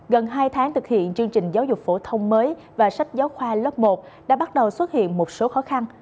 gần hai tháng thực hiện chương trình giáo dục phổ thông mới và sách giáo khoa lớp một đã bắt đầu xuất hiện một số khó khăn